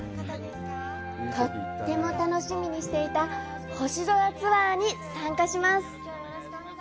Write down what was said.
とっても楽しみにしていた星空ツアーに参加します！